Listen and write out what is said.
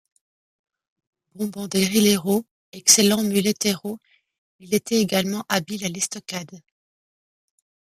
Bon banderillero, excellent muletero, il était également habile à l'estocade.